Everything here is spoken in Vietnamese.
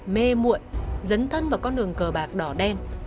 mê mụi dấn thân vào con đường cờ bạc đỏ đen